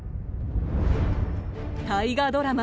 大河ドラマ